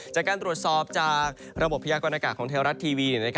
จากการตรวจสอบจากระบบพยากรณากาศของเทวรัฐทีวี